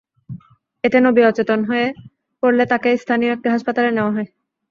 এতে নবী অচেতন হয়ে পড়লে তাঁকে স্থানীয় একটি হাসপাতালে নেওয়া হয়।